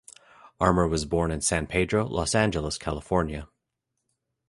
Armour was born in San Pedro, Los Angeles, California.